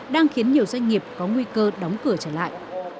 đang khiến nhiều doanh nghiệp có nguy cơ đóng cửa trở lại